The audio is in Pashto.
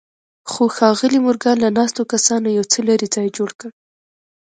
خو ښاغلي مورګان له ناستو کسانو یو څه لرې ځای جوړ کړ